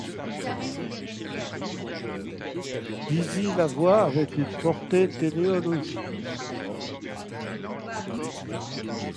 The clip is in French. Deasy la voit avec une portée téléologique.